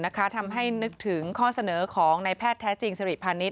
นึกถึงข้อเสนอของนายแพทย์แท้จริงสฤภานิษฐ์